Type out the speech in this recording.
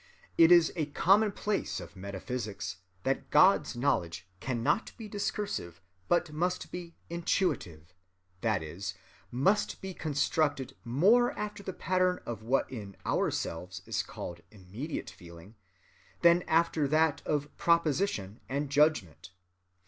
It is a commonplace of metaphysics that God's knowledge cannot be discursive but must be intuitive, that is, must be constructed more after the pattern of what in ourselves is called immediate feeling, than after that of proposition and judgment.